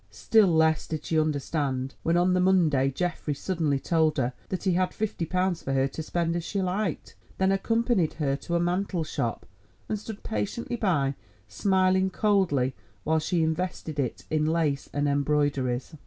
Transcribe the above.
Still less did she understand when on the Monday Geoffrey suddenly told her that he had fifty pounds for her to spend as she liked; then accompanied her to a mantle shop, and stood patiently by, smiling coldly while she invested it in lace and embroideries.